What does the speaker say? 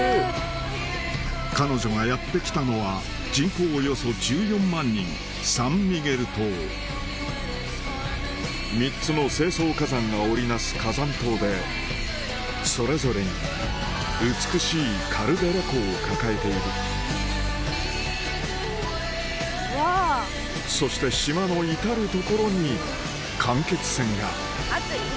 彼女がやって来たのは人口およそ１４万人サン・ミゲル島３つの成層火山が織り成す火山島でそれぞれに美しいカルデラ湖を抱えているそしてアハハハ！